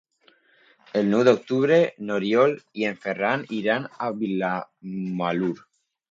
El nou d'octubre n'Oriol i en Ferran iran a Vilamalur.